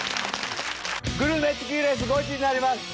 グルメチキンレースゴチになります！